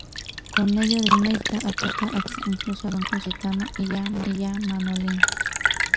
Con ello despierta a toda la casa, incluso a Don Cayetano y a Manolín.